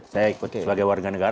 saya ikut sebagai warga negara